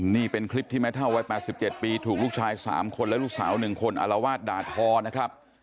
นี่เป็นคลิปที่แม่เท่าวัย๘๗ปีถูกลูกชาย๓คนและลูกสาว๑คนอารวาสด่าทอนะครับ